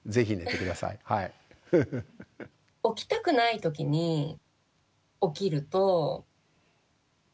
起きたくない時に起きると何だろう